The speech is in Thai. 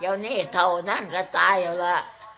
ยาวนี้เถานั่งก็ตายแล้วละ